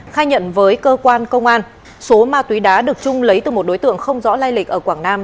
khai nhận với cơ quan công an số ma túy đá được trung lấy từ một đối tượng không rõ lai lịch ở quảng nam